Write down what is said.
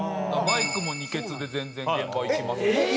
バイクも２ケツで全然現場行きますし。